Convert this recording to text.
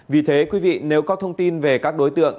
vì thế nếu có thông tin về các đối tượng